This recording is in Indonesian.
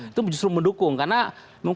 itu justru mendukung karena